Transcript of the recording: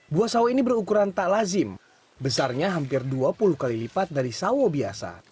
buah sawo ini berukuran tak lazim besarnya hampir dua puluh kali lipat dari sawo biasa